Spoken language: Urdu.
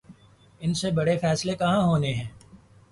ان سے بڑے فیصلے کہاں ہونے ہیں۔